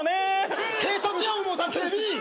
警察や思うたら警備員。